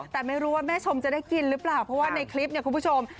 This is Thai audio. แต่ไม่รู้ว่าแม่ชมจะได้กินหรือเปล่าเพราะว่าในคลิปเนี่ยคุณผู้ชม